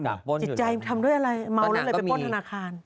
จิตใจทำด้วยอะไรเมาแล้วเลยไปป้นธนาคาร